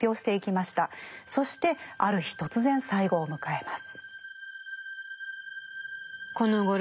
そしてある日突然最期を迎えます。